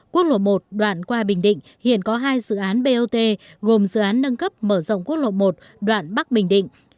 quốc lộ một đoạn qua bình định hiện có hai dự án bot gồm dự án nâng cấp mở rộng quốc lộ một đoạn bắc bình định